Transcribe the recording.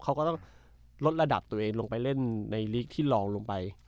เขาก็ต้องลดระดับตัวเองลงไปเล่นในลีกที่ลองลงไป